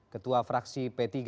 ketua fraksi p tiga